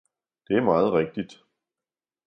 Det er meget rigtigt!